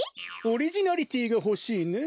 オリジナリティーがほしいね。